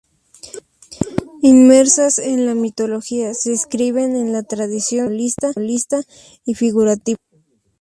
Inmersas en la mitología, se inscriben en la tradición simbolista y figurativa.